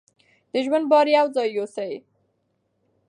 د ژوند بار یو ځای یوسئ.